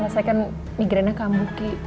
saya kan migrainek lambuh ki